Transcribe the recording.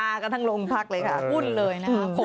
มากระทั่งโรงพักษ์เลยค่ะอุ่นเลยนะครับ